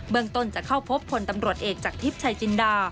เมืองต้นจะเข้าพบพลตำรวจเอกจากทิพย์ชายจินดา